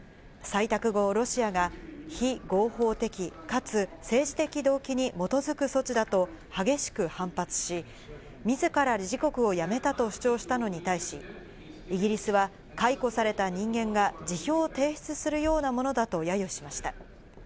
採択後、ロシアが非合法的かつ政治的動機に基づく措置だと激しく反発し、自ら理事国をやめたと主張したのに対し、イギリスは解雇された人間が辞表を提出するようなものだと揶揄しました。